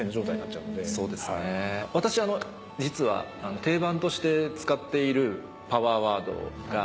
私実は定番として使っているパワーワードが。